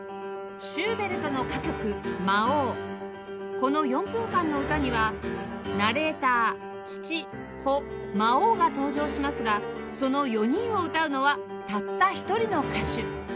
この４分間の歌にはナレーター父子魔王が登場しますがその４人を歌うのはたった１人の歌手